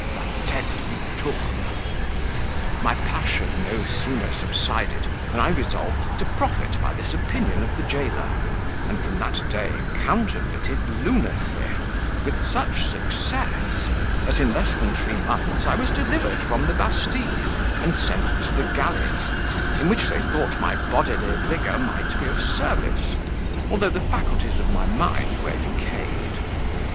la tete lui tourne. My passion no sooner subsided than I resolved to profit by this opinion of the jailor, and from that day counterfeited lunacy with such success, that in less than three months I was delivered from the Bastille, and sent to the galleys, in which they thought my bodily vigour might be of service, although the faculties of my mind were decayed.